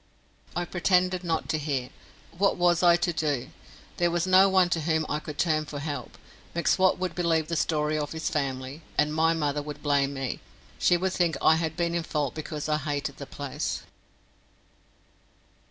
I pretended not to hear. What was I to do? There was no one to whom I could turn for help. M'Swat would believe the story of his family, and my mother would blame me. She would think I had been in fault because I hated the place.